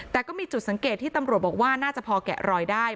แต่ก็มีจุดสังเกตที่ตำรวจบอกว่าน่าจะพอแกะรอยได้